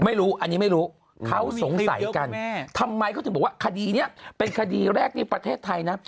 ไม่รู้อันนี้ไม่รู้เขาสงสัยกันทำไมเขาถึงบอกว่าคดีนี้เป็นคดีแรกในประเทศไทยนะ